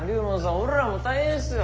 俺らも大変っすよ。